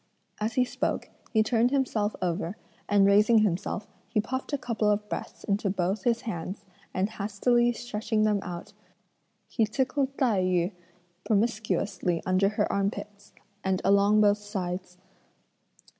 As he spoke, he turned himself over, and raising himself, he puffed a couple of breaths into both his hands, and hastily stretching them out, he tickled Tai yü promiscuously under her armpits, and along both sides.